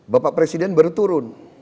bapak presiden berturun